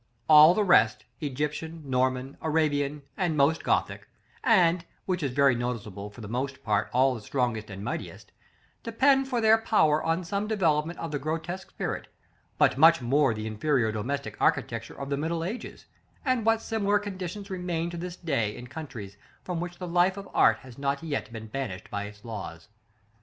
All the rest Egyptian, Norman, Arabian, and most Gothic, and, which is very noticeable, for the most part all the strongest and mightiest depend for their power on some developement of the grotesque spirit; but much more the inferior domestic architecture of the middle ages, and what similar conditions remain to this day in countries from which the life of art has not yet been banished by its laws.